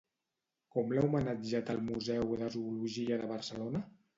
Com l'ha homenatjat el Museu de Zoologia de Barcelona?